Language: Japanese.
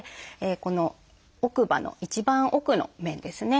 この奥歯の一番奥の面ですね。